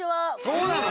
そうなの？